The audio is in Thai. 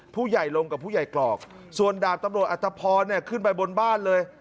ผู้ใหญ่ลงกับผู้ใหญ่กรอกส่วนดาบตำรวจอัตภพรขึ้นไปบนบ้านเลย